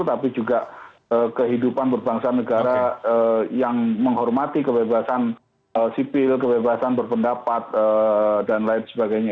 tapi juga kehidupan berbangsa negara yang menghormati kebebasan sipil kebebasan berpendapat dan lain sebagainya